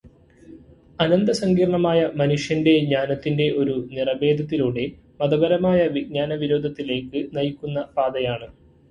അനന്ത സങ്കീർണമായ മനുഷ്യന്റെ ജ്ഞാനത്തിന്റെ ഒരു നിറഭേദത്തിലൂടെ മതപരമായ വിജ്ഞാനവിരോധത്തിലേക്ക് നയിക്കുന്ന പാതയാണ്.